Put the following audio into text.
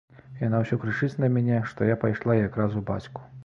Яна ўсё крычыць на мяне, што я пайшла якраз у бацьку!